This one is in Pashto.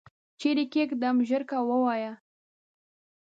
چیري یې کښېږدم ؟ ژر کوه ووایه !